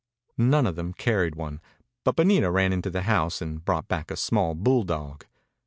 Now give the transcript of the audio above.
None of them carried one, but Bonita ran into the house and brought back a small bulldog.